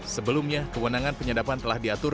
sebelumnya kewenangan penyadapan telah diatur